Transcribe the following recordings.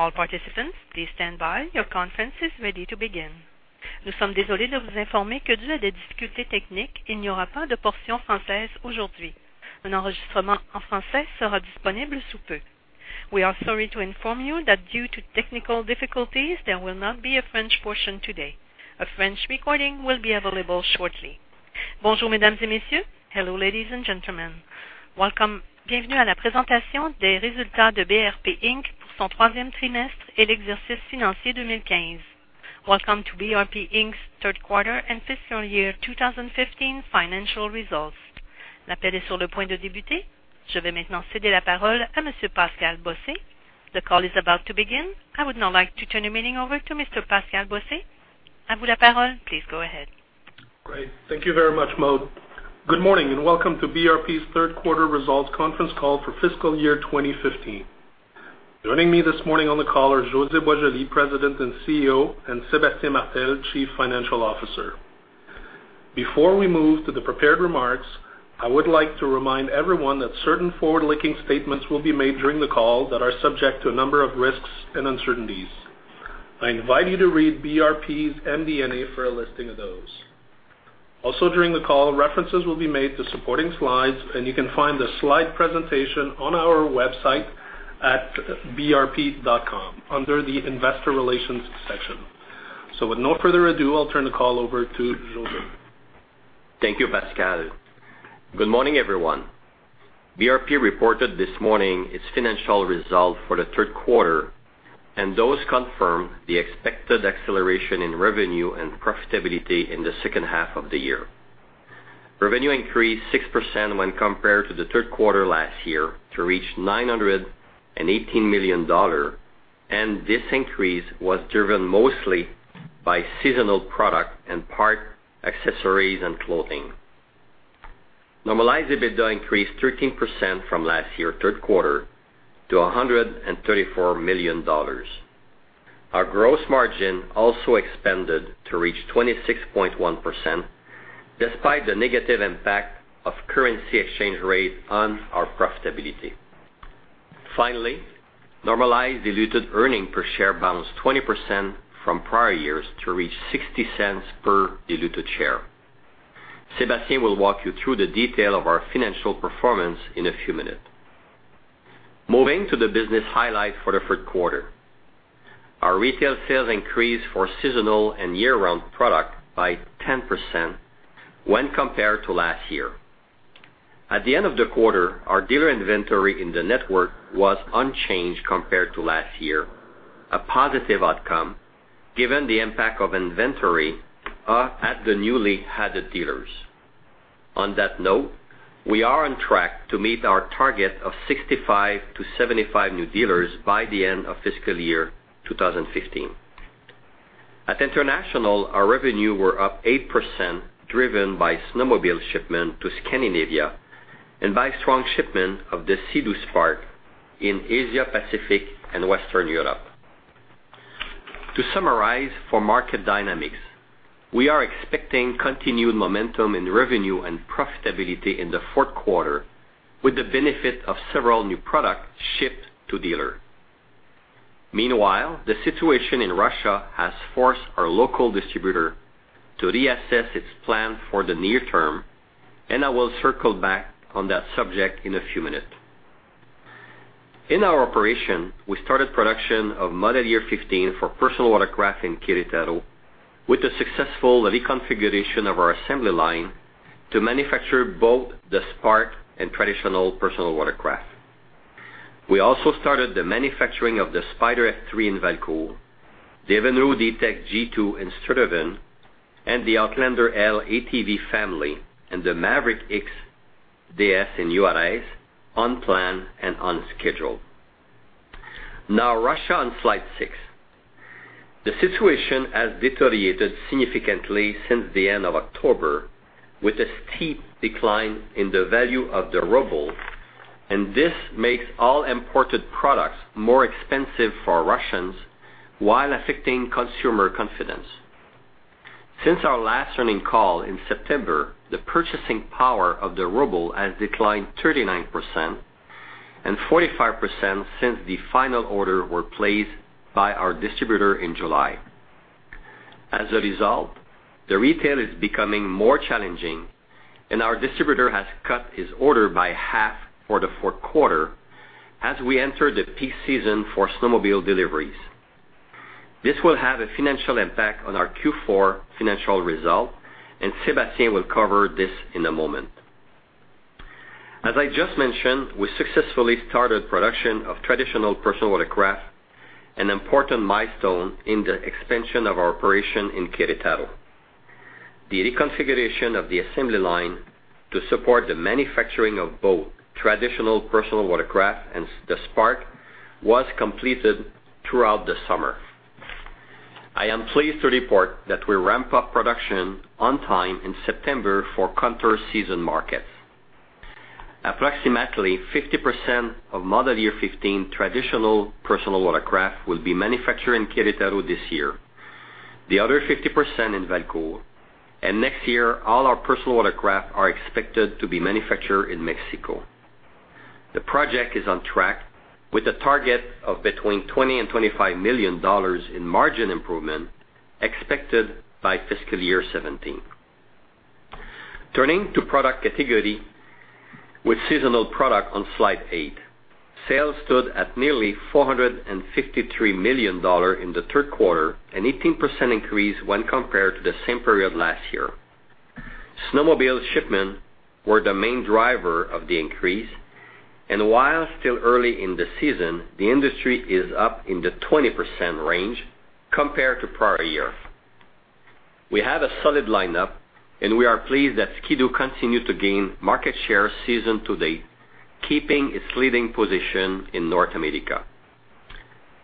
All participants, please stand by. Your conference is ready to begin. Nous sommes désolés de vous informer que dû à des difficultés techniques, il n'y aura pas de portion française aujourd'hui. Un enregistrement en français sera disponible sous peu. We are sorry to inform you that due to technical difficulties, there will not be a French portion today. A French recording will be available shortly. Bonjour, mesdames et messieurs. Hello, ladies and gentlemen. Bienvenue à la présentation des résultats de BRP Inc. pour son troisième trimestre et l'exercice financier 2015. Welcome to BRP Inc.'s third quarter and fiscal year 2015 financial results. L'appel est sur le point de débuter. Je vais maintenant céder la parole à Monsieur Pascal Bossé. The call is about to begin. I would now like to turn the meeting over to Mr. Pascal Bossé. À vous la parole. Please go ahead. Great. Thank you very much, Maude. Good morning and welcome to BRP's third quarter results conference call for fiscal year 2015. Joining me this morning on the call are José Boisjoli, President and CEO, and Sébastien Martel, Chief Financial Officer. Before we move to the prepared remarks, I would like to remind everyone that certain forward-looking statements will be made during the call that are subject to a number of risks and uncertainties. I invite you to read BRP's MD&A for a listing of those. Also during the call, references will be made to supporting slides, and you can find the slide presentation on our website at brp.com under the investor relations section. With no further ado, I'll turn the call over to José. Thank you, Pascal. Good morning, everyone. BRP reported this morning its financial result for the third quarter, and those confirm the expected acceleration in revenue and profitability in the second half of the year. Revenue increased 6% when compared to the third quarter last year to reach 918 million dollars. This increase was driven mostly by seasonal product and part accessories and clothing. Normalized EBITDA increased 13% from last year third quarter to 134 million dollars. Our gross margin also expanded to reach 26.1% despite the negative impact of currency exchange rate on our profitability. Finally, normalized diluted earning per share bounced 20% from prior years to reach 0.60 per diluted share. Sébastien will walk you through the detail of our financial performance in a few minutes. Moving to the business highlight for the third quarter. Our retail sales increased for seasonal and year-round product by 10% when compared to last year. At the end of the quarter, our dealer inventory in the network was unchanged compared to last year, a positive outcome given the impact of inventory at the newly added dealers. On that note, we are on track to meet our target of 65-75 new dealers by the end of fiscal year 2015. At international, our revenue were up 8%, driven by snowmobile shipment to Scandinavia and by strong shipment of the Sea-Doo Spark in Asia-Pacific and Western Europe. To summarize for market dynamics, we are expecting continued momentum in revenue and profitability in the fourth quarter with the benefit of several new products shipped to dealer. Meanwhile, the situation in Russia has forced our local distributor to reassess its plan for the near term. I will circle back on that subject in a few minutes. In our operation, we started production of model year 2015 for personal watercraft in Querétaro with the successful reconfiguration of our assembly line to manufacture both the Spark and traditional personal watercraft. We also started the manufacturing of the Spyder F3 in Valcourt, the Evinrude E-TEC G2 in Sturtevant, and the Outlander L ATV family and the Maverick X ds in Juarez on plan and on schedule. Now Russia on slide six. The situation has deteriorated significantly since the end of October with a steep decline in the value of the ruble. This makes all imported products more expensive for Russians while affecting consumer confidence. Since our last earnings call in September, the purchasing power of the ruble has declined 39% and 45% since the final order were placed by our distributor in July. The retail is becoming more challenging. Our distributor has cut his order by half for the fourth quarter as we enter the peak season for snowmobile deliveries. This will have a financial impact on our Q4 financial result. Sébastien will cover this in a moment. As I just mentioned, we successfully started production of traditional personal watercraft, an important milestone in the expansion of our operation in Querétaro. The reconfiguration of the assembly line to support the manufacturing of both traditional personal watercraft and the Spark was completed throughout the summer. I am pleased to report that we ramp up production on time in September for counter season markets. Approximately 50% of model year 2015 traditional personal watercraft will be manufactured in Querétaro this year. The other 50% in Valcourt. Next year, all our personal watercraft are expected to be manufactured in Mexico. The project is on track with a target of between 20 million and 25 million dollars in margin improvement expected by fiscal year 2017. Turning to product category with seasonal product on slide eight. Sales stood at nearly 453 million dollar in the third quarter, an 18% increase when compared to the same period last year. Snowmobile shipments were the main driver of the increase. While still early in the season, the industry is up in the 20% range compared to prior year. We have a solid lineup. We are pleased that Ski-Doo continue to gain market share season to date, keeping its leading position in North America.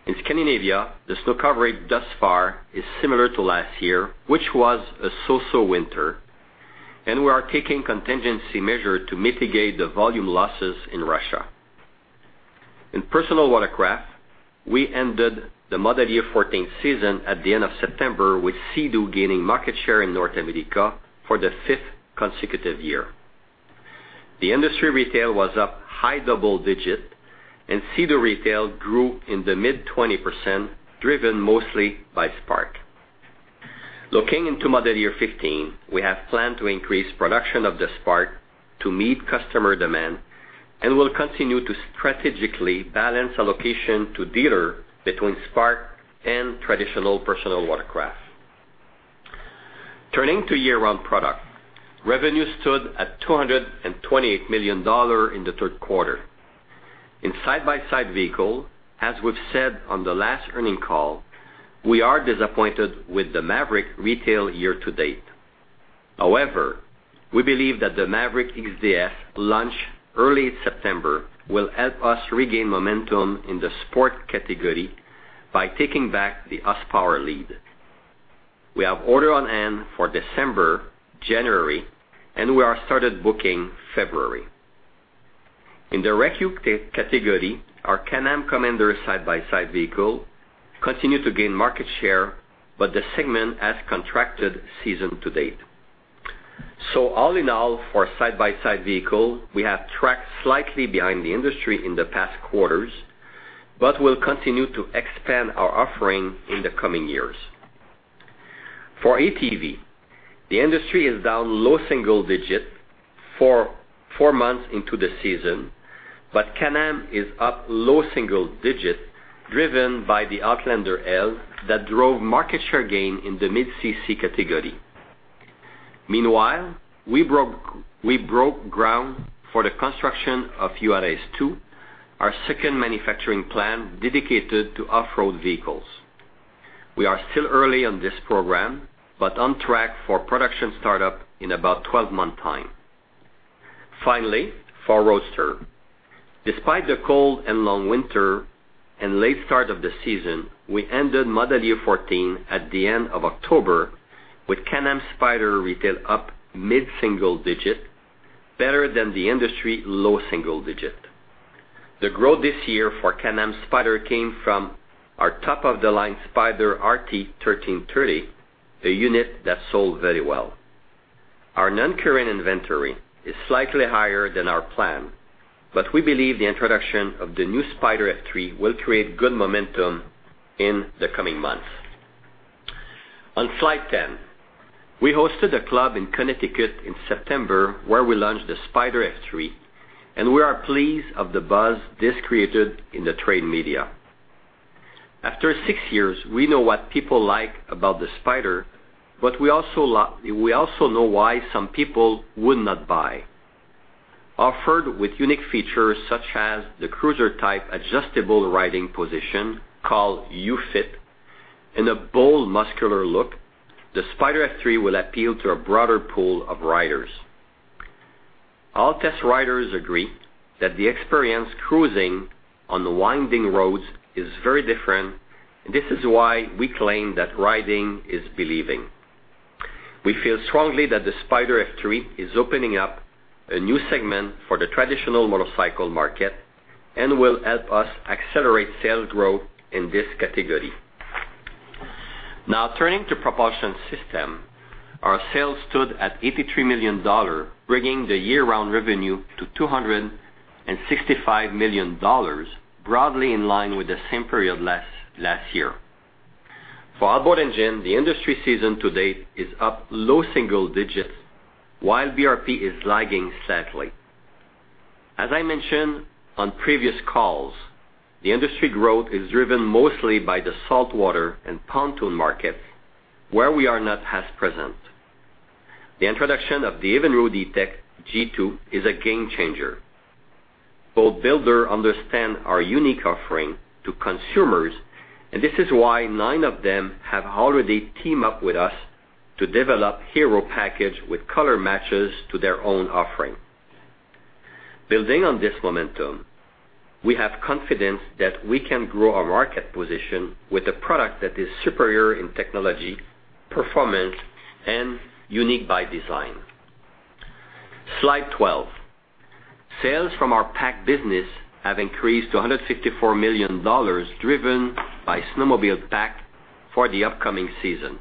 In Scandinavia, the snow cover thus far is similar to last year, which was a so-so winter. We are taking contingency measure to mitigate the volume losses in Russia. In personal watercraft, we ended the model year 2014 season at the end of September with Sea-Doo gaining market share in North America for the fifth consecutive year. The industry retail was up high double digits. Sea-Doo retail grew in the mid-20%, driven mostly by Spark. Looking into model year 2015, we have planned to increase production of the Spark to meet customer demand. Will continue to strategically balance allocation to dealer between Spark and traditional personal watercraft. Turning to year-round product. Revenue stood at 228 million dollars in the third quarter. In side-by-side vehicle, as we've said on the last earnings call, we are disappointed with the Maverick retail year to date. However, we believe that the Maverick X ds launch early September will help us regain momentum in the sport category by taking back the U.S. power lead. We have order on hand for December, January, and we are started booking February. In the Rec category, our Can-Am Commander side-by-side vehicle continued to gain market share, but the segment has contracted season to date. All in all, for side-by-side vehicle, we have tracked slightly behind the industry in the past quarters, but will continue to expand our offering in the coming years. For ATV, the industry is down low single digits for four months into the season, but Can-Am is up low single digits driven by the Outlander L that drove market share gain in the mid cc category. Meanwhile, we broke ground for the construction of Juarez 2, our second manufacturing plant dedicated to off-road vehicles. We are still early on this program, but on track for production startup in about 12 months' time. Finally, for Roadster. Despite the cold and long winter and late start of the season, we ended model year 2014 at the end of October with Can-Am Spyder retail up mid-single digit, better than the industry low single digit. The growth this year for Can-Am Spyder came from our top-of-the-line Spyder RT 1330, a unit that sold very well. Our non-current inventory is slightly higher than our plan, but we believe the introduction of the new Spyder F3 will create good momentum in the coming months. On Slide 10, we hosted a club in Connecticut in September where we launched the Spyder F3, and we are pleased of the buzz this created in the trade media. After six years, we know what people like about the Spyder, but we also know why some people would not buy. Offered with unique features such as the cruiser type adjustable riding position called UFit and a bold, muscular look, the Spyder F3 will appeal to a broader pool of riders. All test riders agree that the experience cruising on the winding roads is very different, and this is why we claim that riding is believing. We feel strongly that the Spyder F3 is opening up a new segment for the traditional motorcycle market and will help us accelerate sales growth in this category. Now turning to propulsion system. Our sales stood at 83 million dollars, bringing the year-round revenue to 265 million dollars, broadly in line with the same period last year. For outboard engine, the industry season to date is up low single digits, while BRP is lagging sadly. As I mentioned on previous calls, the industry growth is driven mostly by the saltwater and pontoon markets, where we are not as present. The introduction of the Evinrude E-TEC G2 is a game changer. Boat builder understand our unique offering to consumers, and this is why nine of them have already teamed up with us to develop hero package with color matches to their own offering. Building on this momentum, we have confidence that we can grow our market position with a product that is superior in technology, performance, and unique by design. Slide 12. Sales from our pack business have increased to 154 million dollars, driven by snowmobile pack for the upcoming season.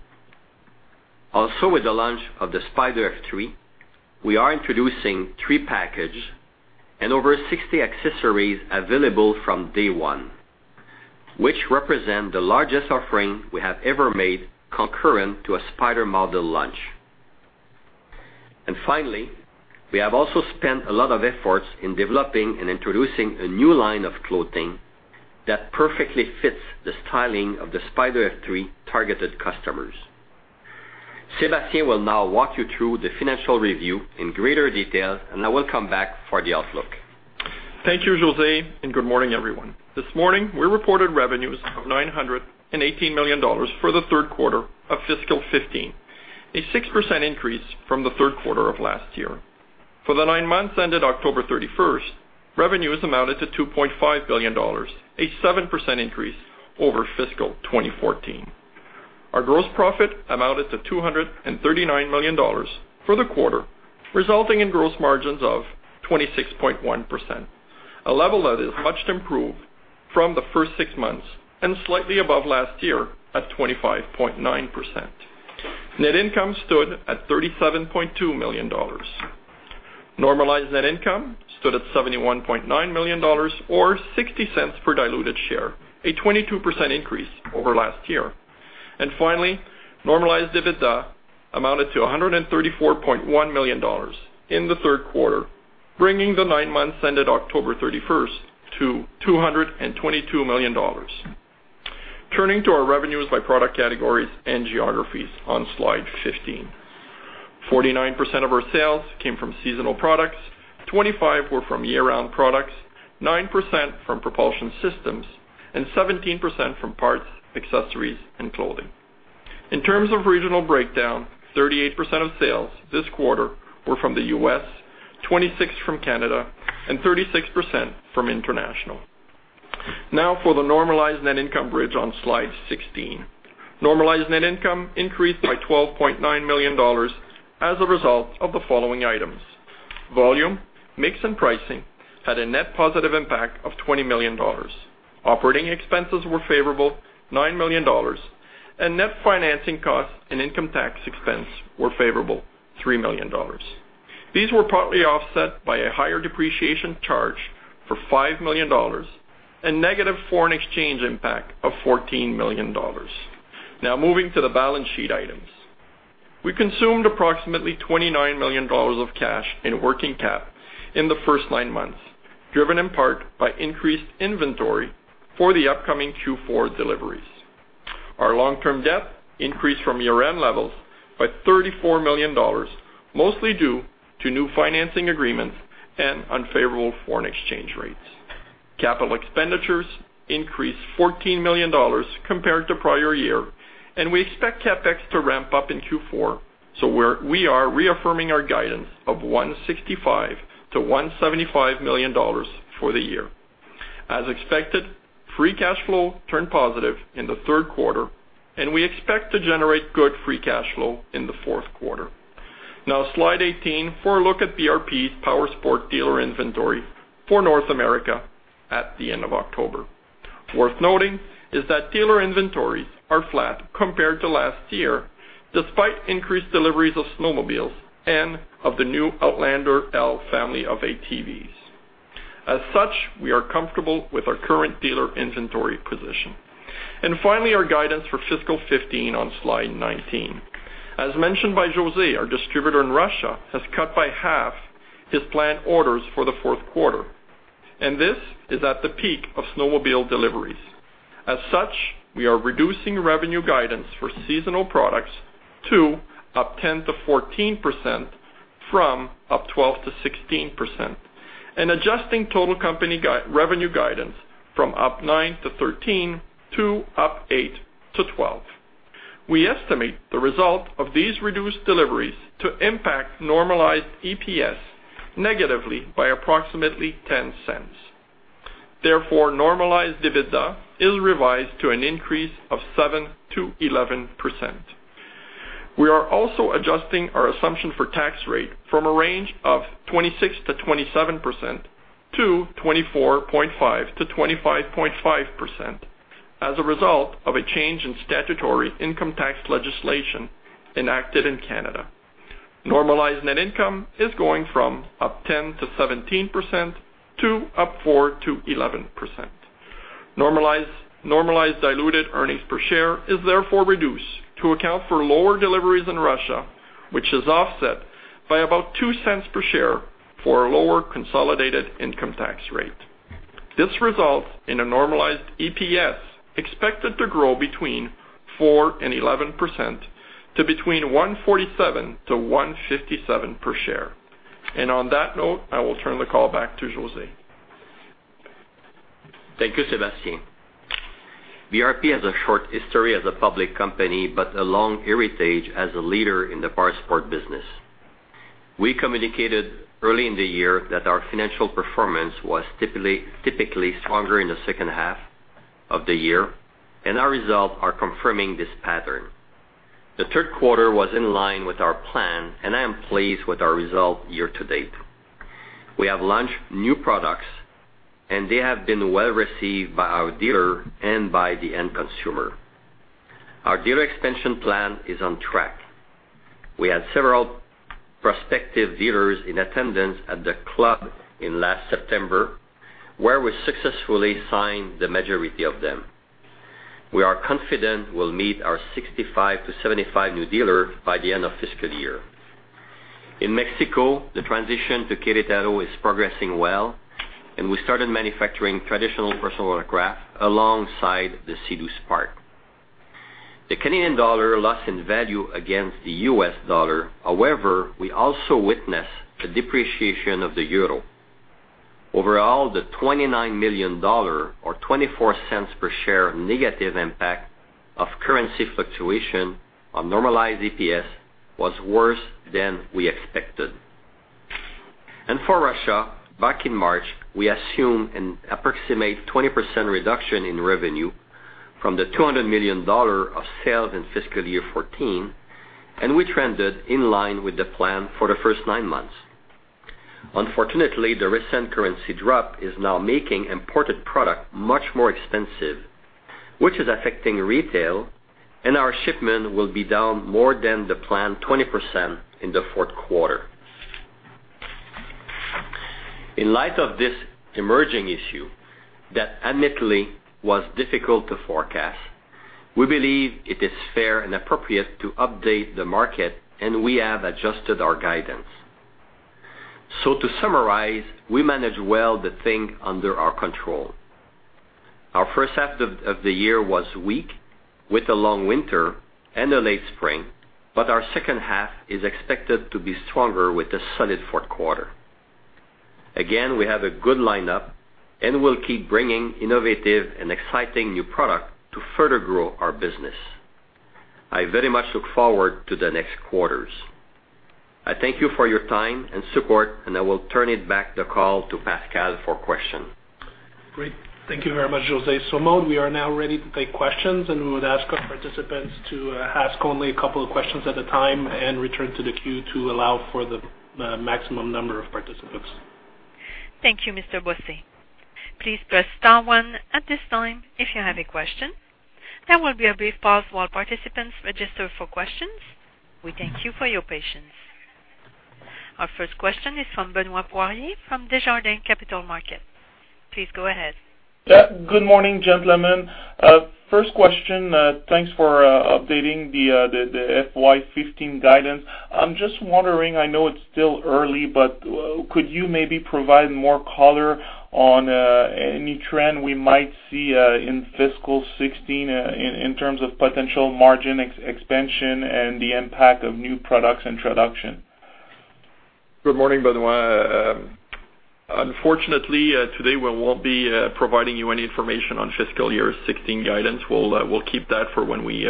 Also, with the launch of the Spyder F3, we are introducing three package and over 60 accessories available from day one, which represent the largest offering we have ever made concurrent to a Spyder model launch. We have also spent a lot of efforts in developing and introducing a new line of clothing that perfectly fits the styling of the Spyder F3 targeted customers. Sébastien will now walk you through the financial review in greater detail, and I will come back for the outlook. Thank you, José, and good morning, everyone. This morning, we reported revenues of 918 million dollars for the third quarter of fiscal 2015, a 6% increase from the third quarter of last year. For the nine months ended October 31st, revenues amounted to 2.5 billion dollars, a 7% increase over fiscal 2014. Our gross profit amounted to 239 million dollars for the quarter, resulting in gross margins of 26.1%, a level that is much improved from the first six months and slightly above last year at 25.9%. Net income stood at 37.2 million dollars. Normalized net income stood at 71.9 million dollars or 0.60 per diluted share, a 22% increase over last year. Finally, normalized EBITDA amounted to 134.1 million dollars in the third quarter, bringing the nine months ended October 31st to 222 million dollars. Turning to our revenues by product categories and geographies on Slide 15. 49% of our sales came from seasonal products, 25% were from year-round products, 9% from propulsion systems, and 17% from parts, accessories, and clothing. In terms of regional breakdown, 38% of sales this quarter were from the U.S., 26% from Canada, and 36% from international. Now for the normalized net income bridge on Slide 16. Normalized net income increased by 12.9 million dollars as a result of the following items. Volume, mix, and pricing had a net positive impact of 20 million dollars. Operating expenses were favorable, 9 million dollars, and net financing costs and income tax expense were favorable, 3 million dollars. These were partly offset by a higher depreciation charge for 5 million dollars and negative foreign exchange impact of 14 million dollars. Now moving to the balance sheet items. We consumed approximately 29 million dollars of cash in working Cap in the first nine months, driven in part by increased inventory for the upcoming Q4 deliveries. Our long-term debt increased from year-end levels by 34 million dollars, mostly due to new financing agreements and unfavorable foreign exchange rates. Capital Expenditures increased 14 million dollars compared to prior year, and we expect CapEx to ramp up in Q4, so we are reaffirming our guidance of 165 million-175 million dollars for the year. As expected, free cash flow turned positive in the third quarter, and we expect to generate good free cash flow in the fourth quarter. Now, Slide 18 for a look at BRP's Powersports dealer inventory for North America at the end of October. Worth noting is that dealer inventories are flat compared to last year, despite increased deliveries of snowmobiles and of the new Outlander L family of ATVs. As such, we are comfortable with our current dealer inventory position. Finally, our guidance for fiscal 2015 on Slide 19. As mentioned by José, our distributor in Russia has cut by half his planned orders for the fourth quarter, and this is at the peak of snowmobile deliveries. As such, we are reducing revenue guidance for seasonal products to up 10%-14%, from up 12%-16%, adjusting total company revenue guidance from up 9%-13% to up 8%-12%. We estimate the result of these reduced deliveries to impact normalized EPS negatively by approximately 0.10. Therefore, normalized EBITDA is revised to an increase of 7%-11%. We are also adjusting our assumption for tax rate from a range of 26%-27%, to 24.5%-25.5% as a result of a change in statutory income tax legislation enacted in Canada. Normalized net income is going from up 10%-17%, to up 4%-11%. Normalized diluted earnings per share is therefore reduced to account for lower deliveries in Russia, which is offset by about 0.02 per share for a lower consolidated income tax rate. This results in a normalized EPS expected to grow between 4% and 11%, to between 1.47-1.57 per share. On that note, I will turn the call back to José. Thank you, Sébastien. BRP has a short history as a public company, but a long heritage as a leader in the powersports business. We communicated early in the year that our financial performance was typically stronger in the second half of the year, and our results are confirming this pattern. The third quarter was in line with our plan. I am pleased with our result year to date. We have launched new products, and they have been well-received by our dealer and by the end consumer. Our dealer expansion plan is on track. We had several prospective dealers in attendance at the club in last September, where we successfully signed the majority of them. We are confident we'll meet our 65-75 new dealer by the end of fiscal year. In Mexico, the transition to Querétaro is progressing well. We started manufacturing traditional personal watercraft alongside the Sea-Doo Spark. The Canadian dollar lost in value against the U.S. dollar. However, we also witnessed a depreciation of the euro. Overall, the 29 million dollar, or 0.24 per share negative impact of currency fluctuation on normalized EPS was worse than we expected. For Russia, back in March, we assumed an approximate 20% reduction in revenue from the 200 million dollar of sales in fiscal year 2014. We trended in line with the plan for the first nine months. Unfortunately, the recent currency drop is now making imported product much more expensive, which is affecting retail. Our shipment will be down more than the planned 20% in the fourth quarter. In light of this emerging issue that, admittedly, was difficult to forecast, we believe it is fair and appropriate to update the market. We have adjusted our guidance. To summarize, we manage well the thing under our control. Our first half of the year was weak with a long winter and a late spring. Our second half is expected to be stronger with a solid fourth quarter. Again, we have a good lineup. We'll keep bringing innovative and exciting new product to further grow our business. I very much look forward to the next quarters. I thank you for your time and support, and I will turn it back the call to Pascal for question. Great. Thank you very much, José. Maud, we are now ready to take questions. We would ask our participants to ask only a couple of questions at a time and return to the queue to allow for the maximum number of participants. Thank you, Mr. Bossé. Please press *1 at this time if you have a question. There will be a brief pause while participants register for questions. We thank you for your patience. Our first question is from Benoit Poirier from Desjardins Capital Markets. Please go ahead. Yeah. Good morning, gentlemen. First question. Thanks for updating the FY 2015 guidance. I'm just wondering, I know it's still early. Could you maybe provide more color on any trend we might see in fiscal 2016 in terms of potential margin expansion and the impact of new products introduction? Good morning, Benoit. Unfortunately, today, we won't be providing you any information on fiscal year 2016 guidance. We'll keep that for when we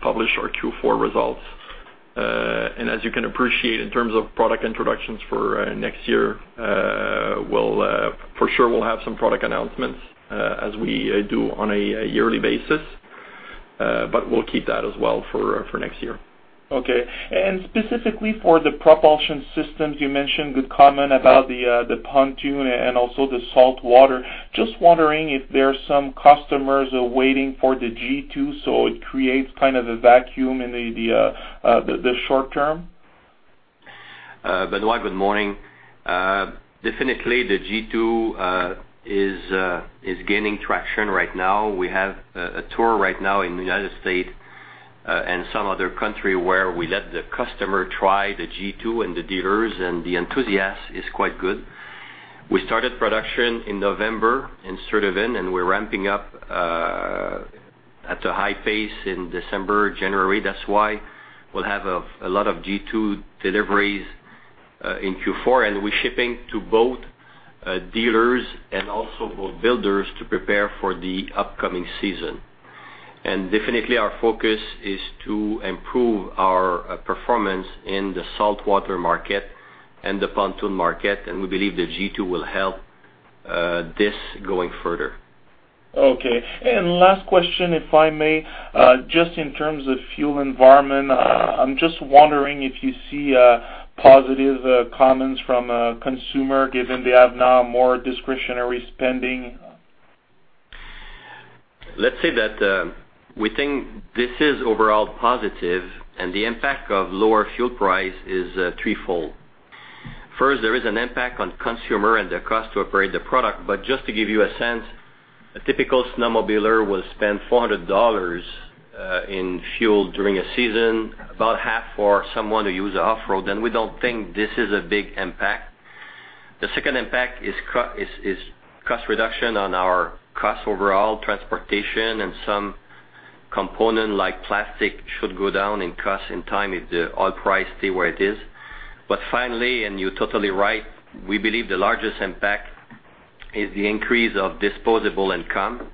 publish our Q4 results. As you can appreciate in terms of product introductions for next year, for sure we'll have some product announcements as we do on a yearly basis. We'll keep that as well for next year. Okay. Specifically for the propulsion systems, you mentioned good comment about the pontoon and also the saltwater. Just wondering if there's some customers waiting for the G2, so it creates kind of a vacuum in the short term. Benoit, good morning. Definitely, the G2 is gaining traction right now. We have a tour right now in the United States and some other country where we let the customer try the G2 and the dealers, the enthusiasm is quite good. We started production in November in Sturtevant, we're ramping up at a high pace in December, January. That's why we'll have a lot of G2 deliveries in Q4. We're shipping to both dealers and also boat builders to prepare for the upcoming season. Definitely, our focus is to improve our performance in the saltwater market and the pontoon market, we believe the G2 will help this going further. Okay. Last question, if I may. Just in terms of fuel environment, I'm just wondering if you see positive comments from a consumer, given they have now more discretionary spending. Let's say that we think this is overall positive. The impact of lower fuel price is threefold. First, there is an impact on consumer and the cost to operate the product. Just to give you a sense, a typical snowmobiler will spend 400 dollars in fuel during a season, about half for someone who use off-road, and we don't think this is a big impact. The second impact is cost reduction on our cost overall. Transportation and some component like plastic should go down in cost in time if the oil price stay where it is. Finally, and you're totally right, we believe the largest impact is the increase of disposable income.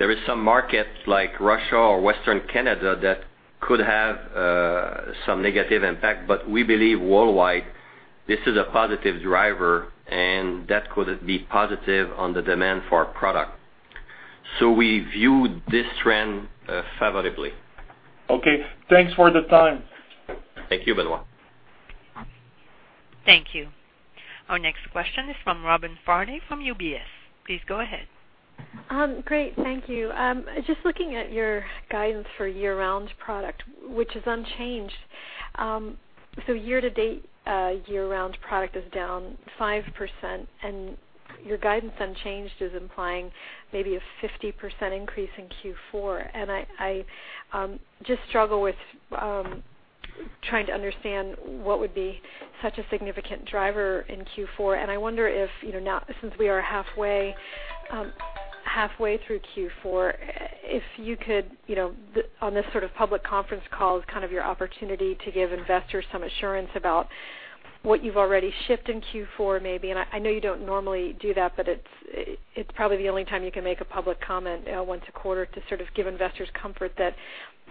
There is some market like Russia or Western Canada that could have some negative impact, but we believe worldwide. This is a positive driver, and that could be positive on the demand for our product. We view this trend favorably. Okay. Thanks for the time. Thank you, Benoit. Thank you. Our next question is from Robin Farley from UBS. Please go ahead. Great. Thank you. Just looking at your guidance for year-round product, which is unchanged. Year to date, year-round product is down 5%, your guidance unchanged is implying maybe a 50% increase in Q4. I just struggle with trying to understand what would be such a significant driver in Q4. I wonder if, since we are halfway through Q4, if you could, on this sort of public conference call, as kind of your opportunity to give investors some assurance about what you've already shipped in Q4 maybe, I know you don't normally do that, but it's probably the only time you can make a public comment once a quarter to sort of give investors comfort that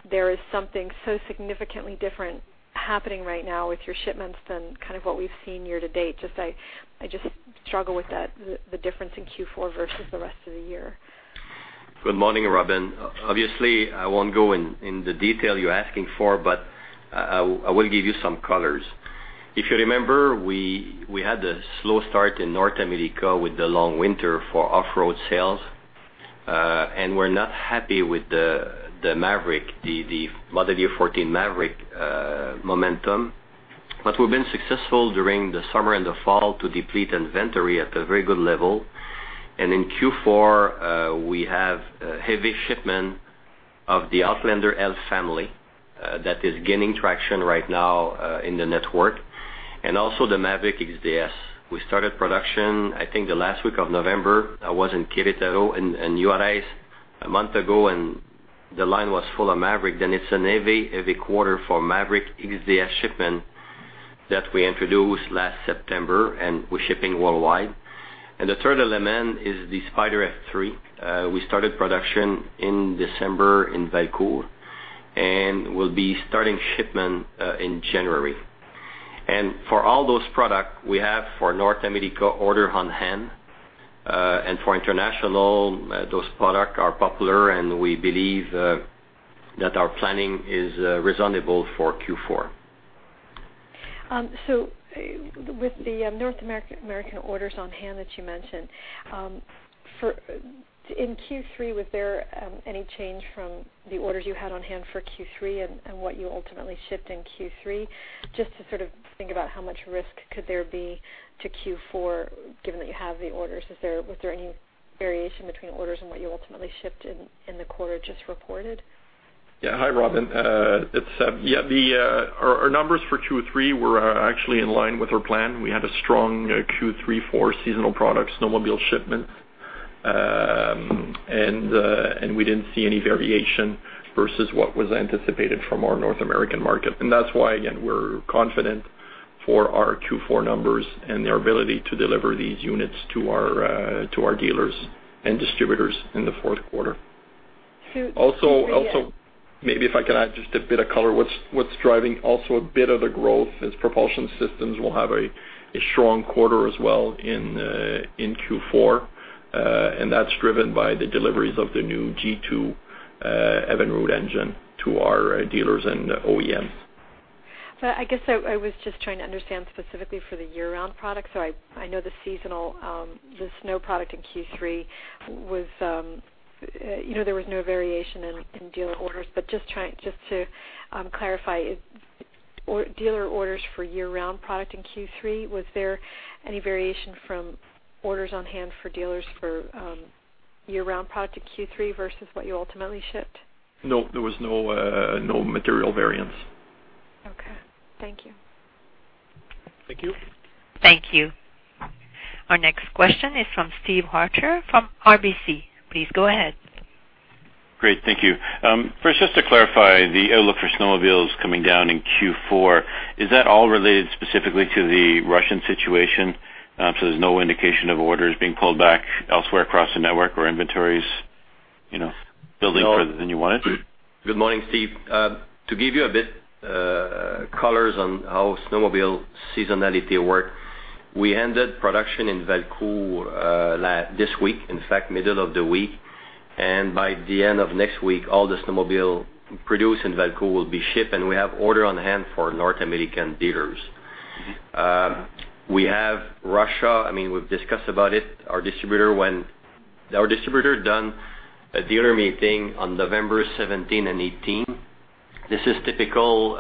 there is something so significantly different happening right now with your shipments than kind of what we've seen year to date. I just struggle with that, the difference in Q4 versus the rest of the year. Good morning, Robin. Obviously, I won't go in the detail you're asking for, but I will give you some colors. If you remember, we had a slow start in North America with the long winter for off-road sales. We're not happy with the model year 14 Maverick momentum. We've been successful during the summer and the fall to deplete inventory at a very good level. In Q4, we have heavy shipment of the Outlander L family that is gaining traction right now in the network. Also the Maverick X ds. We started production, I think, the last week of November. I was in Juarez and URI a month ago, and the line was full of Maverick. It's a heavy quarter for Maverick X ds shipment that we introduced last September, and we're shipping worldwide. The third element is the Spyder F3. We started production in December in Valcourt, we'll be starting shipment in January. For all those product we have for North America order on hand. For international, those product are popular, we believe that our planning is reasonable for Q4. With the North American orders on hand that you mentioned, in Q3, was there any change from the orders you had on hand for Q3 and what you ultimately shipped in Q3? Just to sort of think about how much risk could there be to Q4, given that you have the orders. Was there any variation between orders and what you ultimately shipped in the quarter just reported? Yeah. Hi, Robin. It's Seb. Our numbers for Q3 were actually in line with our plan. We had a strong Q3 for seasonal product snowmobile shipments. We didn't see any variation versus what was anticipated from our North American market. That's why, again, we're confident for our Q4 numbers and their ability to deliver these units to our dealers and distributors in the fourth quarter. Also, maybe if I can add just a bit of color. What's driving also a bit of the growth is propulsion systems will have a strong quarter as well in Q4. That's driven by the deliveries of the new G2 Evinrude engine to our dealers and OEMs. I guess I was just trying to understand specifically for the year-round product. I know the seasonal, the snow product in Q3, there was no variation in dealer orders. Just to clarify, dealer orders for year-round product in Q3, was there any variation from orders on hand for dealers for year-round product in Q3 versus what you ultimately shipped? No. There was no material variance. Okay. Thank you. Thank you. Thank you. Our next question is from Steve Arthur from RBC. Please go ahead. Thank you. First, just to clarify, the outlook for snowmobiles coming down in Q4, is that all related specifically to the Russian situation? There's no indication of orders being pulled back elsewhere across the network or inventories building further than you wanted? Good morning, Steve. To give you a bit colors on how snowmobile seasonality work, we ended production in Valcourt this week, in fact, middle of the week. By the end of next week, all the snowmobile produced in Valcourt will be shipped, and we have order on hand for North American dealers. We have Russia, we've discussed about it. Our distributor done a dealer meeting on November 17 and 18. This is typical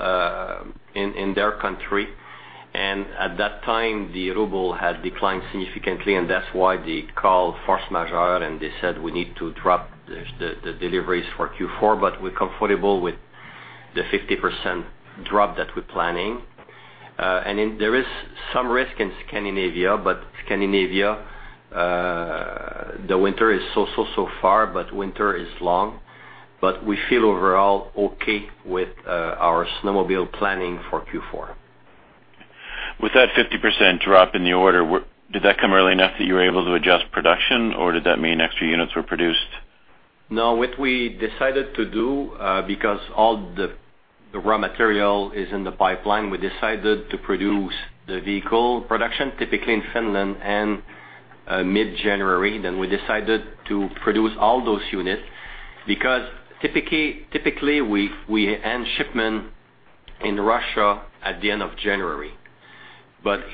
in their country. At that time, the ruble had declined significantly, and that's why they called force majeure, and they said we need to drop the deliveries for Q4, but we're comfortable with the 50% drop that we're planning. There is some risk in Scandinavia. Scandinavia, the winter is so far, but winter is long. We feel overall okay with our snowmobile planning for Q4. With that 50% drop in the order, did that come early enough that you were able to adjust production, or did that mean extra units were produced? No. What we decided to do, because all the raw material is in the pipeline, we decided to produce the vehicle production, typically in Finland, in mid-January. We decided to produce all those units, because typically, we end shipment in Russia at the end of January.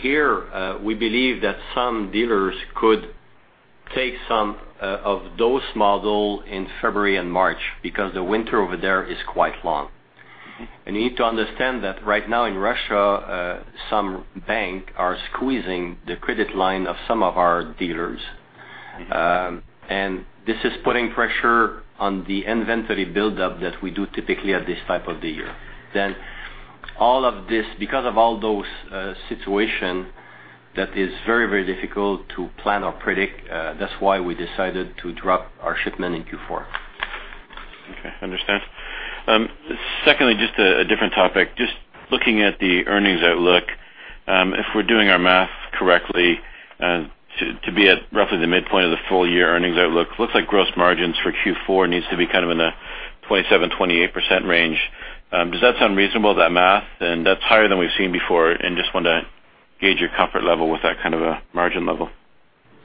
Here, we believe that some dealers could take some of those models in February and March because the winter over there is quite long. You need to understand that right now in Russia, some banks are squeezing the credit line of some of our dealers. This is putting pressure on the inventory buildup that we do typically at this time of the year. Because of all those situations, that is very difficult to plan or predict. That's why we decided to drop our shipment in Q4. Okay. Understand. Secondly, just a different topic. Just looking at the earnings outlook. If we're doing our math correctly, to be at roughly the midpoint of the full-year earnings outlook, looks like gross margins for Q4 needs to be in the 27%-28% range. Does that sound reasonable, that math? That's higher than we've seen before, and just wanted to gauge your comfort level with that kind of a margin level.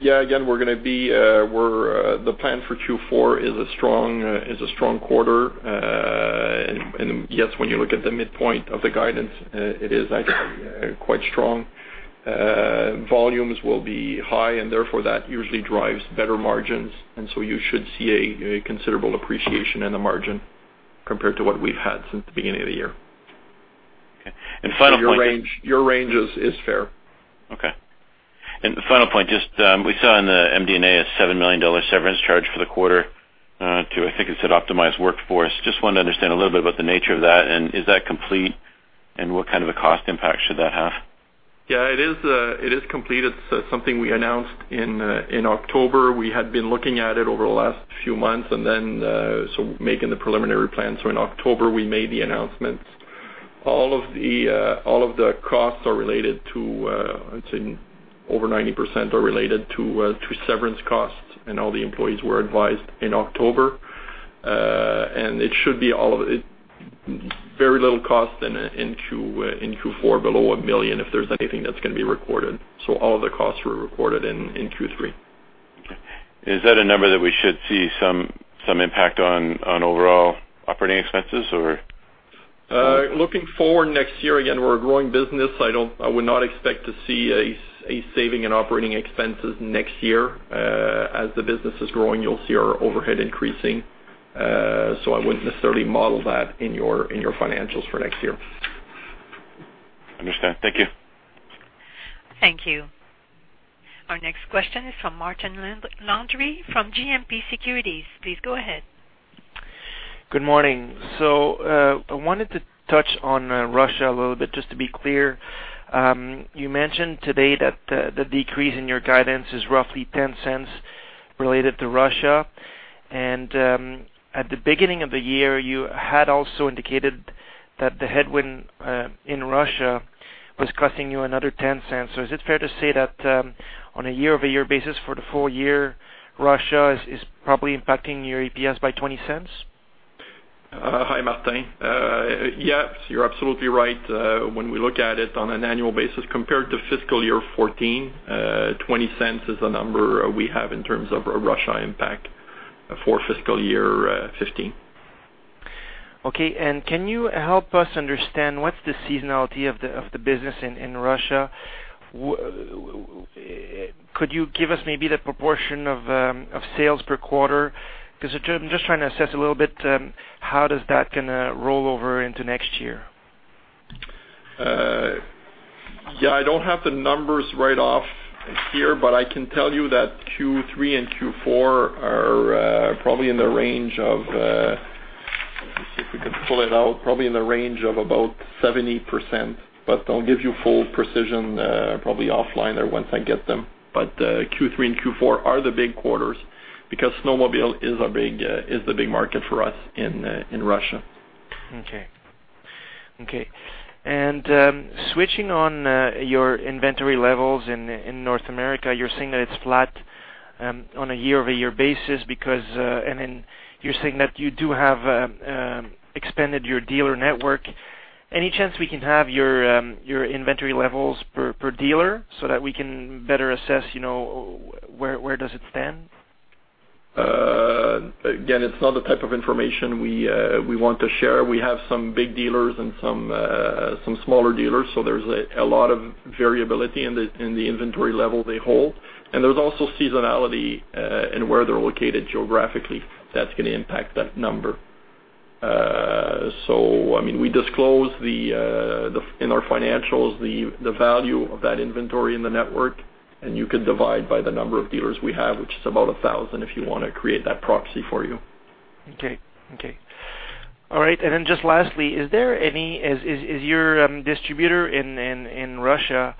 Yeah. Again, the plan for Q4 is a strong quarter. Yes, when you look at the midpoint of the guidance, it is actually quite strong. Volumes will be high and therefore that usually drives better margins. You should see a considerable appreciation in the margin compared to what we've had since the beginning of the year. Okay. Final point- Your range is fair. Okay. The final point, just we saw in the MD&A a 7 million dollar severance charge for the quarter to, I think it said optimized workforce. Just wanted to understand a little bit about the nature of that, and is that complete, and what kind of a cost impact should that have? Yeah, it is complete. It's something we announced in October. We had been looking at it over the last few months, then making the preliminary plans. In October, we made the announcements. All of the costs, over 90%, are related to severance costs, and all the employees were advised in October. It should be very little cost in Q4, below 1 million, if there's anything that's going to be recorded. All the costs were recorded in Q3. Okay. Is that a number that we should see some impact on overall operating expenses or? Looking forward next year, again, we're a growing business. I would not expect to see a saving in operating expenses next year. As the business is growing, you'll see our overhead increasing. I wouldn't necessarily model that in your financials for next year. Understand. Thank you. Thank you. Our next question is from Martin Landry from GMP Securities. Please go ahead. Good morning. I wanted to touch on Russia a little bit, just to be clear. You mentioned today that the decrease in your guidance is roughly 0.10 related to Russia. At the beginning of the year, you had also indicated that the headwind in Russia was costing you another 0.10. Is it fair to say that on a year-over-year basis for the full year, Russia is probably impacting your EPS by 0.20? Hi, Martin. Yes, you are absolutely right. When we look at it on an annual basis compared to fiscal year 2014, 0.20 is the number we have in terms of a Russia impact for fiscal year 2015. Okay. Can you help us understand what's the seasonality of the business in Russia? Could you give us maybe the proportion of sales per quarter? I'm just trying to assess a little bit how does that going to roll over into next year. Yeah, I don't have the numbers right off here, but I can tell you that Q3 and Q4 are probably in the range of Let me see if we can pull it out. Probably in the range of about 70%, I'll give you full precision probably offline or once I get them. Q3 and Q4 are the big quarters because snowmobile is the big market for us in Russia. Okay. Switching on your inventory levels in North America, you're saying that it's flat on a year-over-year basis, you're saying that you do have expanded your dealer network. Any chance we can have your inventory levels per dealer so that we can better assess where does it stand? Again, it's not the type of information we want to share. We have some big dealers and some smaller dealers, so there's a lot of variability in the inventory level they hold. There's also seasonality in where they're located geographically that's going to impact that number. We disclose in our financials the value of that inventory in the network, and you could divide by the number of dealers we have, which is about 1,000, if you want to create that proxy for you. Okay. All right. Just lastly, is your distributor in Russia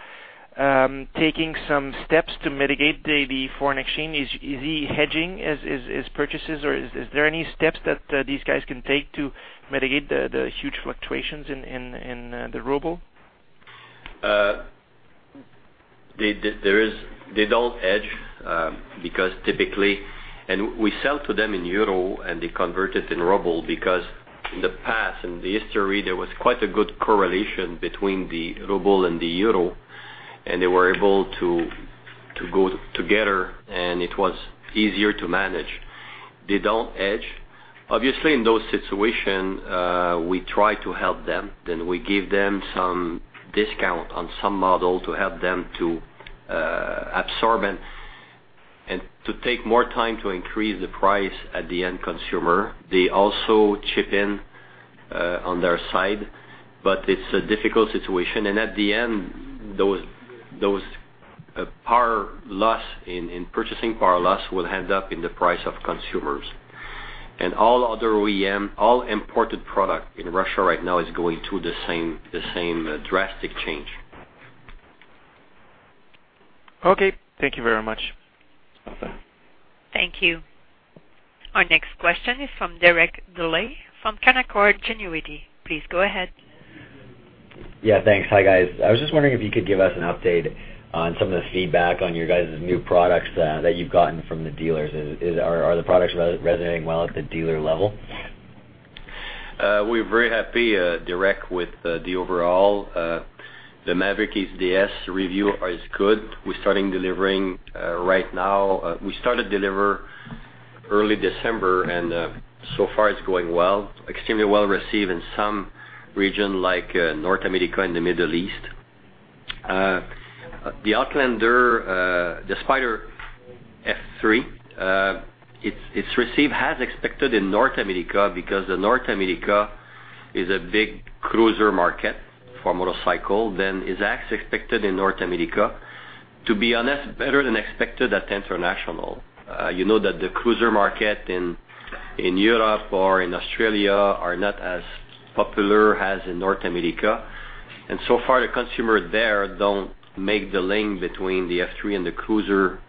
taking some steps to mitigate the foreign exchange? Is he hedging his purchases, or is there any steps that these guys can take to mitigate the huge fluctuations in the ruble? They don't hedge. We sell to them in EUR and they convert it in ruble because in the past, in the history, there was quite a good correlation between the ruble and the EUR, and they were able to go together, and it was easier to manage. They don't hedge. Obviously, in those situation, we try to help them. We give them some discount on some model to help them to absorb and to take more time to increase the price at the end consumer. They also chip in on their side. It's a difficult situation. At the end, those purchasing power loss will end up in the price of consumers. All other OEM, all imported product in Russia right now is going through the same drastic change. Okay. Thank you very much. No problem. Thank you. Our next question is from Derek Dley from Canaccord Genuity. Please go ahead. Yeah, thanks. Hi, guys. I was just wondering if you could give us an update on some of the feedback on your guys' new products that you've gotten from the dealers. Are the products resonating well at the dealer level? We're very happy, Derek, with the overall. The Maverick X ds review is good. We're starting delivering right now. We started deliver early December, so far it's going well. Extremely well-received in some region like North America and the Middle East. The Outlander, the Spyder F3, it's received as expected in North America because the North America is a big cruiser market for motorcycle. Is as expected in North America. To be honest, better than expected at international. You know that the cruiser market in Europe or in Australia are not as popular as in North America. So far, the consumer there don't make the link between the F3 and the cruiser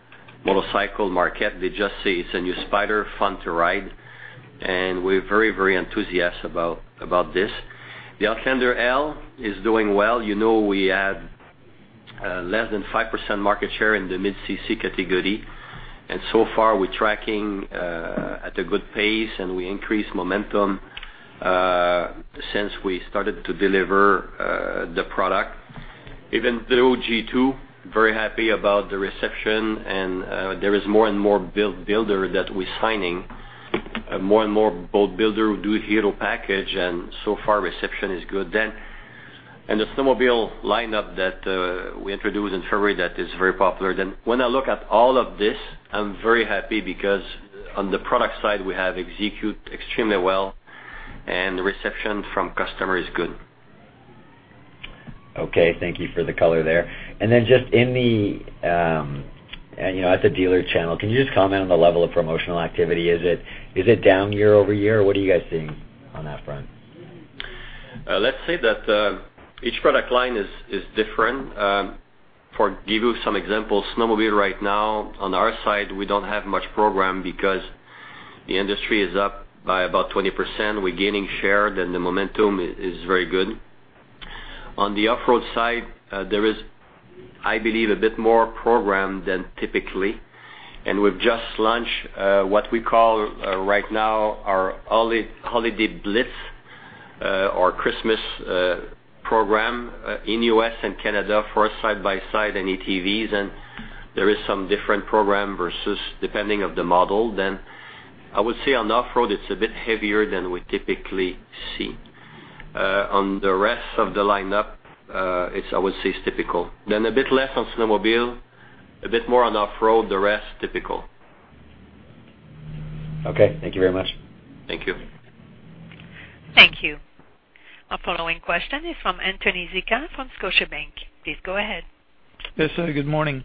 motorcycle market. They just say it's a new Spyder, fun to ride, and we're very enthusiastic about this. The Outlander L is doing well. You know we had less than 5% market share in the mid-cc category. So far, we're tracking at a good pace, and we increase momentum since we started to deliver the product. Even the G2, very happy about the reception, and there is more and more builder that we're signing. More and more boat builder who do Hero package, and so far, reception is good. The snowmobile lineup that we introduced in February, that is very popular. When I look at all of this, I'm very happy because on the product side, we have execute extremely well, and the reception from customer is good. Okay. Thank you for the color there. Just at the dealer channel, can you just comment on the level of promotional activity? Is it down year-over-year? What are you guys seeing on that front? Let's say that each product line is different. For give you some examples, snowmobile right now, on our side, we don't have much program because the industry is up by about 20%. We're gaining share, the momentum is very good. On the off-road side, there is, I believe, a bit more program than typically. We've just launched what we call right now our Holiday Blitz, our Christmas program in U.S. and Canada for side-by-side and ATVs, and there is some different program versus depending of the model then. I would say on off-road, it's a bit heavier than we typically see. On the rest of the lineup, I would say it's typical. A bit less on snowmobile, a bit more on off-road. The rest, typical. Okay. Thank you very much. Thank you. Thank you. Our following question is from Anthony Zicha from Scotiabank. Please go ahead. Yes, good morning.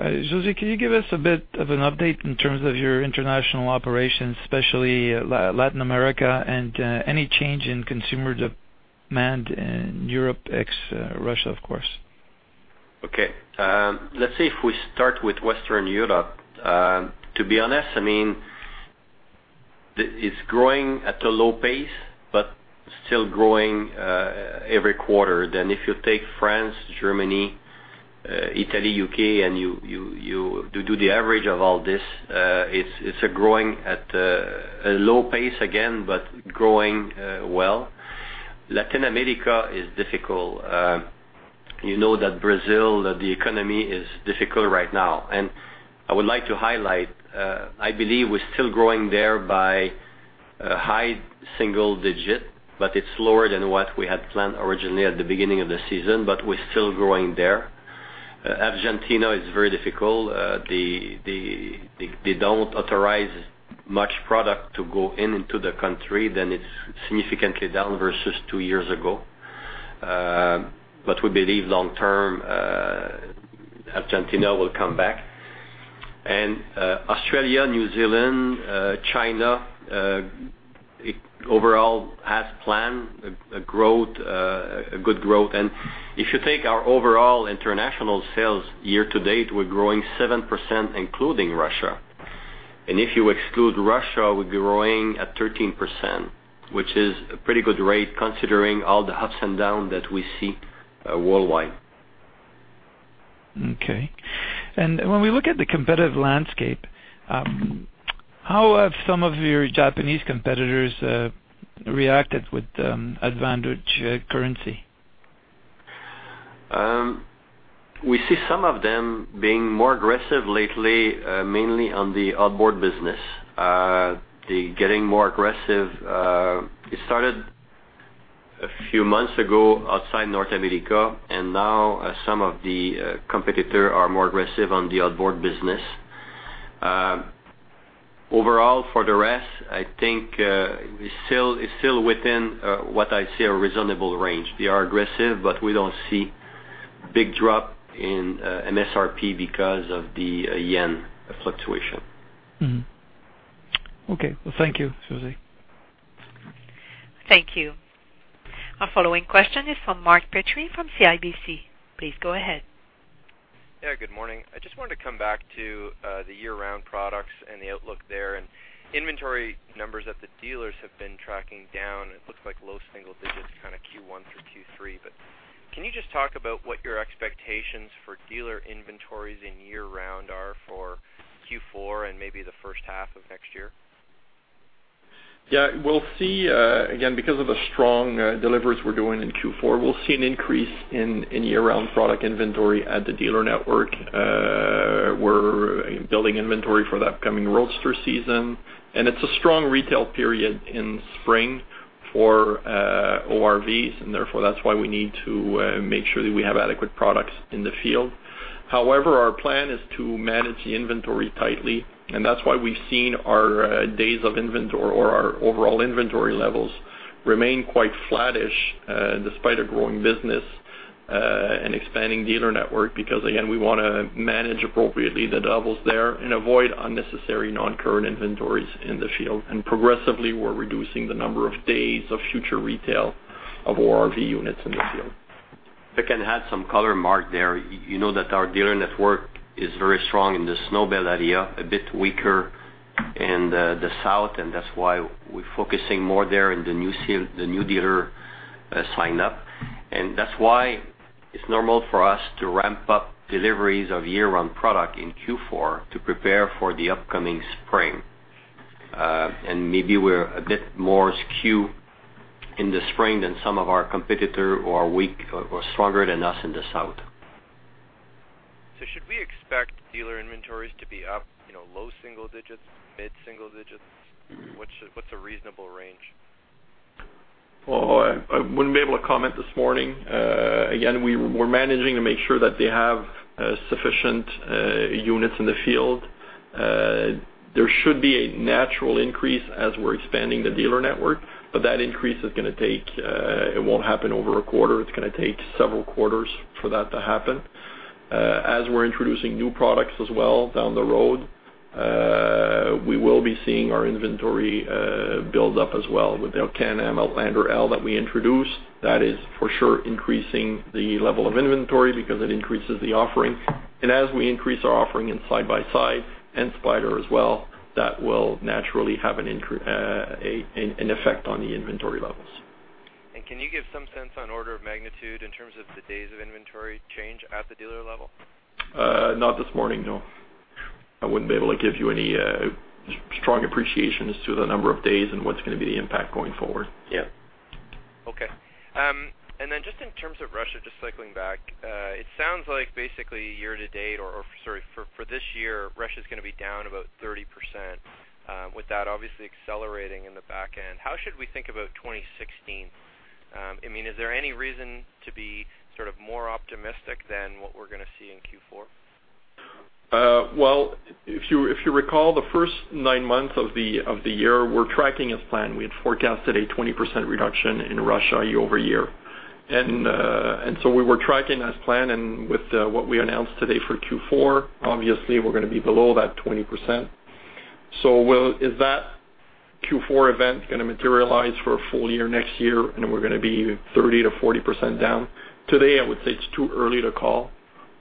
José, can you give us a bit of an update in terms of your international operations, especially Latin America, and any change in consumer demand in Europe, ex-Russia, of course? Okay. Let's say if we start with Western Europe. To be honest, it's growing at a low pace, but still growing every quarter. If you take France, Germany, Italy, U.K., and you do the average of all this, it's growing at a low pace again, but growing well. Latin America is difficult. You know that Brazil, the economy is difficult right now. I would like to highlight, I believe we're still growing there by high single digit, but it's lower than what we had planned originally at the beginning of the season, but we're still growing there. Argentina is very difficult. They don't authorize much product to go into the country, then it's significantly down versus two years ago. We believe long term, Argentina will come back. Australia, New Zealand, China, overall as planned, a good growth. If you take our overall international sales year-to-date, we're growing 7%, including Russia. If you exclude Russia, we're growing at 13%, which is a pretty good rate considering all the ups and down that we see worldwide. Okay. When we look at the competitive landscape, how have some of your Japanese competitors reacted with the advantage currency? We see some of them being more aggressive lately, mainly on the outboard business. They're getting more aggressive. It started a few months ago outside North America. Now some of the competitor are more aggressive on the outboard business. Overall, for the rest, I think it's still within what I'd say a reasonable range. They are aggressive. We don't see big drop in SRP because of the yen fluctuation. Okay. Well, thank you, Susie. Thank you. Our following question is from Mark Petrie from CIBC. Please go ahead. Good morning. I just wanted to come back to the year-round products and the outlook there, and inventory numbers that the dealers have been tracking down. It looks like low single digits kind of Q1 through Q3. Can you just talk about what your expectations for dealer inventories in year round are for Q4 and maybe the first half of next year? Yeah. Again, because of the strong deliveries we're doing in Q4, we'll see an increase in year-round product inventory at the dealer network. We're building inventory for the upcoming Roadster season, and it's a strong retail period in spring for ORVs, and therefore that's why we need to make sure that we have adequate products in the field. However, our plan is to manage the inventory tightly, and that's why we've seen our days of inventory or our overall inventory levels remain quite flattish, despite a growing business, and expanding dealer network, because, again, we want to manage appropriately the levels there and avoid unnecessary non-current inventories in the field. Progressively, we're reducing the number of days of future retail of ORV units in the field. If I can add some color, Mark, there. You know that our dealer network is very strong in the Snowbelt area, a bit weaker in the South, and that's why we're focusing more there in the new dealer sign up. That's why it's normal for us to ramp up deliveries of year-round product in Q4 to prepare for the upcoming spring. Maybe we're a bit more skewed in the spring than some of our competitor who are weak or stronger than us in the South. Should we expect dealer inventories to be up low single digits, mid single digits? What's a reasonable range? Well, I wouldn't be able to comment this morning. Again, we're managing to make sure that they have sufficient units in the field. There should be a natural increase as we're expanding the dealer network, but that increase is going to take several quarters for that to happen. As we're introducing new products as well down the road, we will be seeing our inventory build up as well. With the Can-Am Outlander L that we introduced, that is for sure increasing the level of inventory because it increases the offering. As we increase our offering in side-by-side and Spyder as well, that will naturally have an effect on the inventory levels. Can you give some sense on order of magnitude in terms of the days of inventory change at the dealer level? Not this morning, no. I wouldn't be able to give you any strong appreciation as to the number of days and what's going to be the impact going forward. Yeah. Okay. Just in terms of Russia, just circling back. It sounds like basically year-to-date or, sorry, for this year, Russia's going to be down about 30%, with that obviously accelerating in the back end. How should we think about 2016? Is there any reason to be sort of more optimistic than what we're going to see in Q4? Well, if you recall, the first nine months of the year were tracking as planned. We had forecasted a 20% reduction in Russia year-over-year. We were tracking as planned, and with what we announced today for Q4, obviously, we're going to be below that 20%. Is that Q4 event going to materialize for a full year next year and we're going to be 30%-40% down? Today, I would say it's too early to call.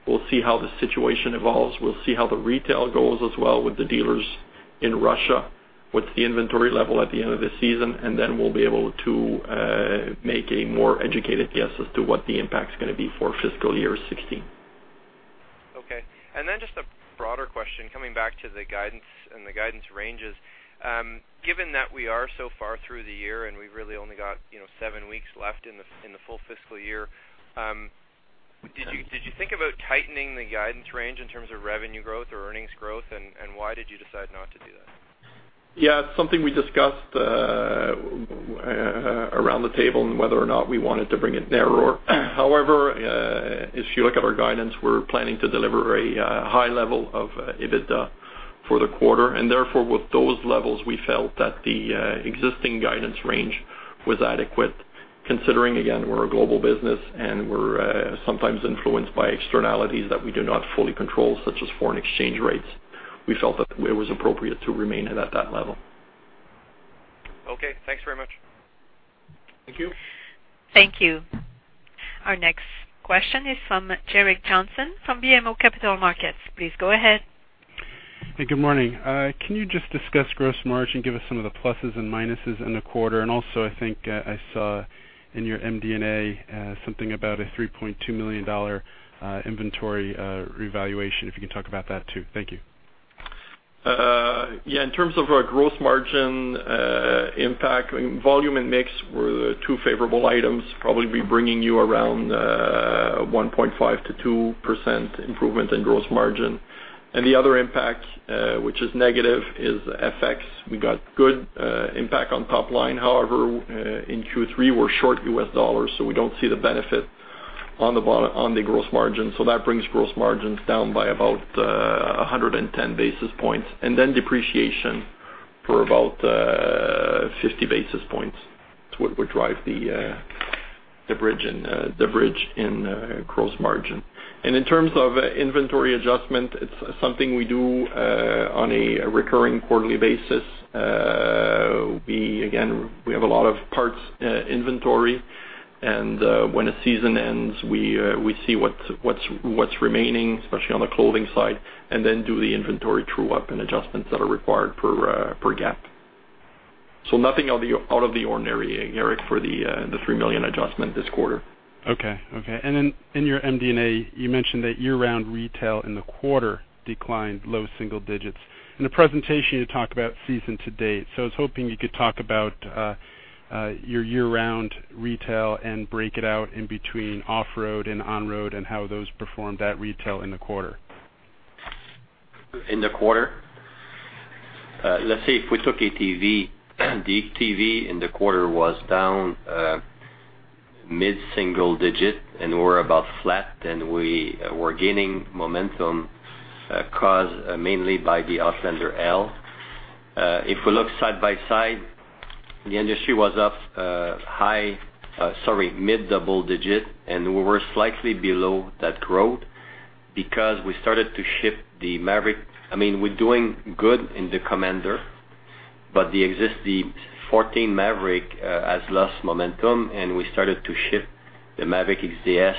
We'll see how the situation evolves. We'll see how the retail goes as well with the dealers in Russia, what's the inventory level at the end of the season, and then we'll be able to make a more educated guess as to what the impact's going to be for fiscal year 2016. Okay. Just a broader question, coming back to the guidance and the guidance ranges. Given that we are so far through the year and we've really only got seven weeks left in the full fiscal year, did you think about tightening the guidance range in terms of revenue growth or earnings growth, and why did you decide not to do that? Yeah, it's something we discussed around the table on whether or not we wanted to bring it narrower. However, if you look at our guidance, we're planning to deliver a high level of EBITDA for the quarter, and therefore, with those levels, we felt that the existing guidance range was adequate. Considering, again, we're a global business and we're sometimes influenced by externalities that we do not fully control, such as foreign exchange rates, we felt that it was appropriate to remain it at that level. Okay. Thanks very much. Thank you. Thank you. Our next question is from Gerrick Johnson from BMO Capital Markets. Please go ahead. Hey, good morning. Can you just discuss gross margin? Give us some of the pluses and minuses in the quarter. Also, I think I saw in your MD&A something about a 3.2 million dollar inventory revaluation, if you can talk about that, too. Thank you. Yeah. In terms of our gross margin impact, volume and mix were the two favorable items, probably be bringing you around 1.5%-2% improvement in gross margin. The other impact, which is negative, is FX. We got good impact on top line. However, in Q3, we're short U.S. dollars, we don't see the benefit on the gross margin. That brings gross margins down by about 110 basis points, then depreciation for about 50 basis points. It's what would drive the bridge in gross margin. In terms of inventory adjustment, it's something we do on a recurring quarterly basis. Again, we have a lot of parts inventory, and when a season ends, we see what's remaining, especially on the clothing side, and then do the inventory true-up and adjustments that are required per GAAP. Nothing out of the ordinary, Gerrick, for the 3 million adjustment this quarter. In your MD&A, you mentioned that year-round retail in the quarter declined low single digits. In the presentation, you talked about season to date. I was hoping you could talk about your year-round retail and break it out in between off-road and on-road and how those performed at retail in the quarter. In the quarter? Let's say if we took ATV, the ATV in the quarter was down mid-single digit and were about flat, and we were gaining momentum caused mainly by the Outlander L. If we look side by side, the industry was up mid-double digit, and we were slightly below that growth because we started to ship the Maverick. We're doing good in the Commander, but the existing 2014 Maverick has lost momentum, and we started to ship the Maverick X ds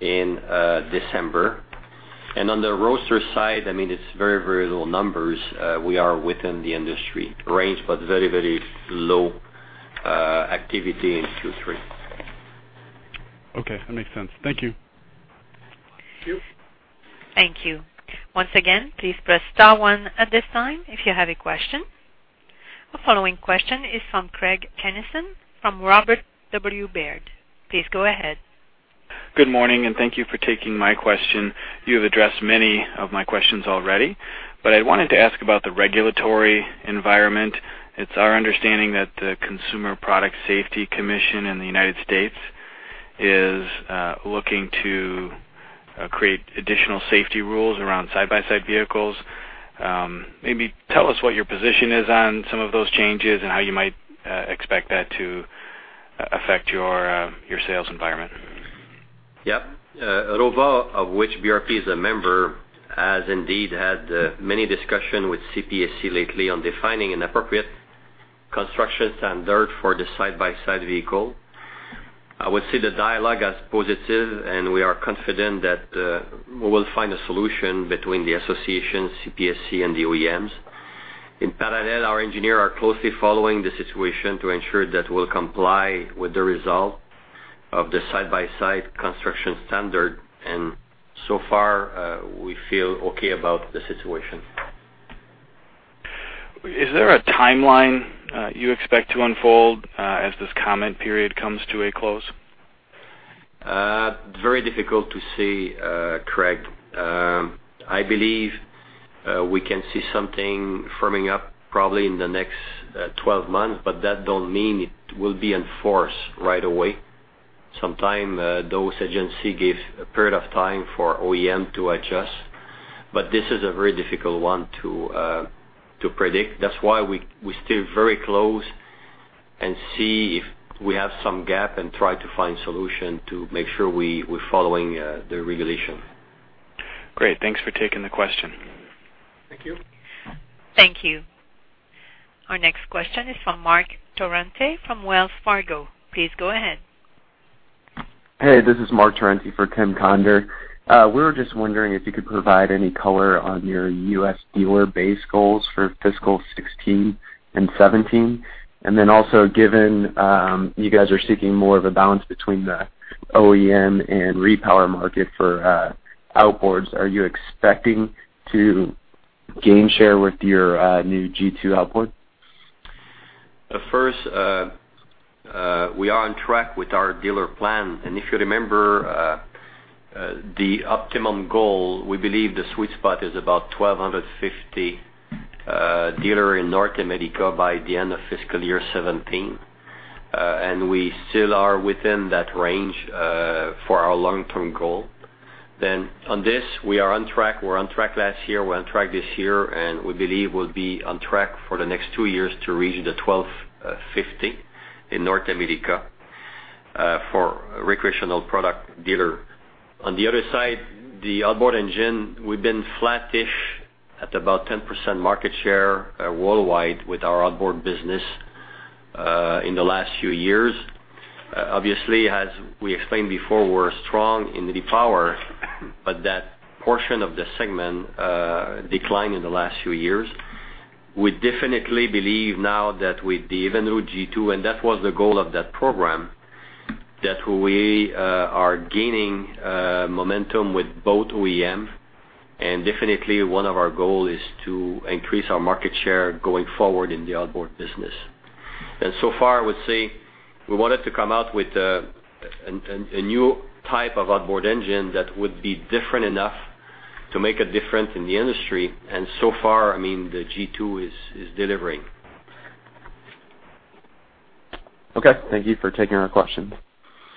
in December. On the Roadster side, it's very, very low numbers. We are within the industry range, but very low activity in Q3. That makes sense. Thank you. Thank you. Thank you. Once again, please press star one at this time if you have a question. The following question is from Craig Kennison from Robert W. Baird. Please go ahead. Good morning. Thank you for taking my question. You have addressed many of my questions already, but I wanted to ask about the regulatory environment. It's our understanding that the Consumer Product Safety Commission in the U.S. is looking to create additional safety rules around side-by-side vehicles. Maybe tell us what your position is on some of those changes and how you might expect that to affect your sales environment. Yeah. ROHVA, of which BRP is a member, has indeed had many discussion with CPSC lately on defining an appropriate construction standard for the side-by-side vehicle. I would say the dialogue is positive, and we are confident that we will find a solution between the association, CPSC, and the OEMs. In parallel, our engineer are closely following the situation to ensure that we'll comply with the result of the side-by-side construction standard. So far, we feel okay about the situation. Is there a timeline you expect to unfold as this comment period comes to a close? Very difficult to say, Craig. I believe we can see something firming up probably in the next 12 months, that don't mean it will be enforced right away. Sometimes, those agency give a period of time for OEM to adjust. This is a very difficult one to predict. That's why we stay very close and see if we have some gap and try to find solution to make sure we're following the regulation. Great. Thanks for taking the question. Thank you. Thank you. Our next question is from Mark Turenne from Wells Fargo. Please go ahead. Hey. This is Mark Turenne for Tim Conder. We were just wondering if you could provide any color on your U.S. dealer base goals for FY 2016 and FY 2017. Also, given you guys are seeking more of a balance between the OEM and repower market for outboards, are you expecting to gain share with your new G2 outboard? First, we are on track with our dealer plan. If you remember the optimum goal, we believe the sweet spot is about 1,250 dealer in North America by the end of FY 2017. We still are within that range for our long-term goal. On this, we are on track. We're on track last year, we're on track this year, and we believe we'll be on track for the next two years to reach the 1,250 in North America. For recreational product dealer. On the other side, the outboard engine, we've been flattish at about 10% market share worldwide with our outboard business in the last few years. Obviously, as we explained before, we're strong in the power, but that portion of the segment declined in the last few years. We definitely believe now that with the even new G2, and that was the goal of that program, that we are gaining momentum with boat OEM. Definitely, one of our goal is to increase our market share going forward in the outboard business. So far, I would say we wanted to come out with a new type of outboard engine that would be different enough to make a difference in the industry. So far, the G2 is delivering. Okay. Thank you for taking our questions.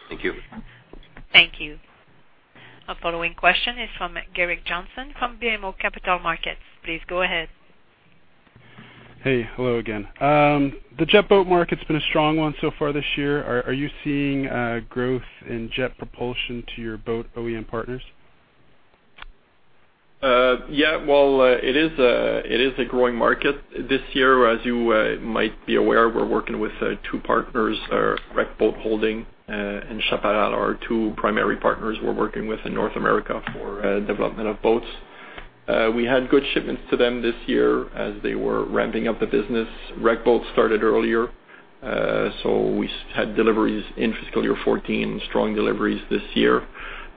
Thank you. Thank you. Our following question is from Gerrick Johnson from BMO Capital Markets. Please go ahead. Hey. Hello again. The jet boat market's been a strong one so far this year. Are you seeing growth in jet propulsion to your boat OEM partners? Yeah. Well, it is a growing market. This year, as you might be aware, we're working with two partners, Rec Boat Holdings and Chaparral, are our two primary partners we're working with in North America for development of boats. We had good shipments to them this year as they were ramping up the business. Rec Boat started earlier, so we had deliveries in fiscal year 2014, strong deliveries this year.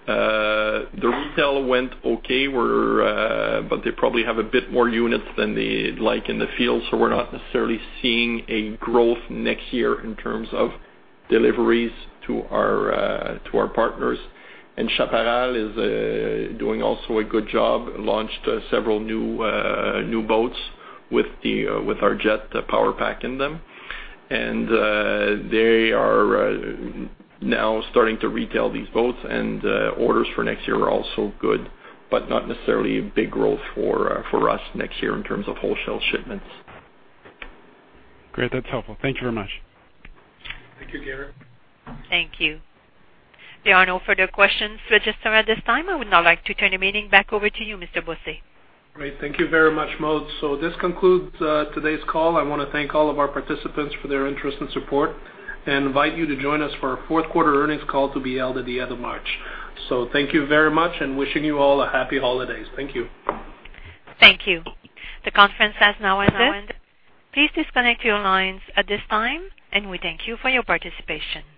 The retail went okay. They probably have a bit more units than they'd like in the field, so we're not necessarily seeing a growth next year in terms of deliveries to our partners. Chaparral is doing also a good job, launched several new boats with our jet power pack in them. They are now starting to retail these boats. Orders for next year are also good, not necessarily a big growth for us next year in terms of wholesale shipments. Great. That's helpful. Thank you very much. Thank you, Gerrick. Thank you. There are no further questions registered at this time. I would now like to turn the meeting back over to you, Mr. Bossé. Great. Thank you very much, Maude. This concludes today's call. I want to thank all of our participants for their interest and support, and invite you to join us for our fourth quarter earnings call to be held at the end of March. Thank you very much, and wishing you all a happy holidays. Thank you. Thank you. The conference has now ended. Please disconnect your lines at this time, and we thank you for your participation.